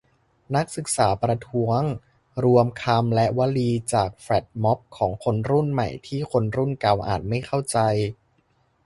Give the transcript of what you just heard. นักศึกษาประท้วง : รวมคำและวลีจากแฟลชม็อบของคนรุ่นใหม่ที่คนรุ่นเก่าอาจไม่เข้าใจ